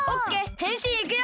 へんしんいくよ！